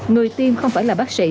người tiêm không phải là bác sĩ